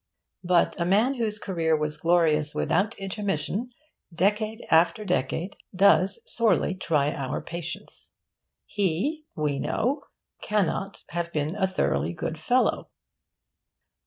But a man whose career was glorious without intermission, decade after decade, does sorely try our patience. He, we know, cannot have been a thoroughly good fellow.